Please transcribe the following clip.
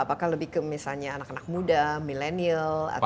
apakah lebih ke misalnya anak anak muda milenial atau